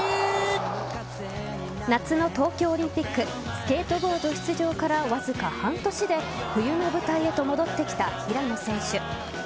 夏の東京オリンピックスケートボード出場からわずか半年で冬の舞台へと戻ってきた平野選手。